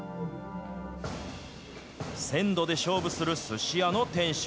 鮮度で勝負するすし屋の店主。